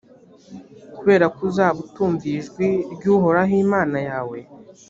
kubera ko uzaba utumviye ijwi ry’uhoraho imana yawe,